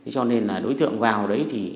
cho nên là đối tượng vào đấy